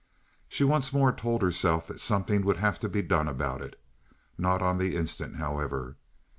She once more told herself that something would have to be done about it not on the instant, however.